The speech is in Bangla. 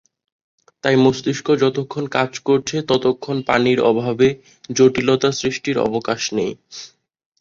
তাই মস্তিষ্ক যতক্ষণ কাজ করছে, ততক্ষণ পানির অভাবে জটিলতা সৃষ্টির অবকাশ নেই।